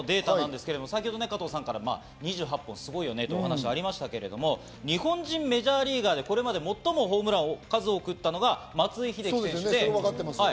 そして２つ目のデータですが、先ほど加藤さんから２８本すごいよねとお話がありましたけど、日本人メジャーリーガーでこれまで最もホームランを数多くったのが松井秀喜選手。